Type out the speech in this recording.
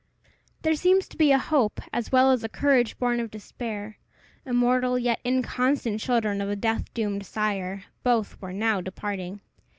There seems to be a hope as well as a courage born of despair: immortal, yet inconstant children of a death doomed sire, both were now departing.